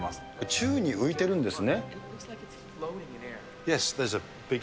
宙に浮いてるんですね？